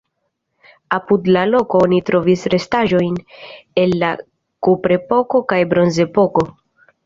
Apud la loko oni trovis restaĵojn el la kuprepoko kaj bronzepoko.